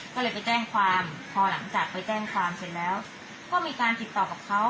ก็เลยไปแจ้งความพอหลังจากไปแจ้งความเสร็จแล้วก็มีการติดต่อกับเขา